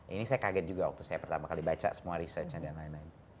ini saya kaget juga waktu saya pertama kali baca semua researchnya dan lain lain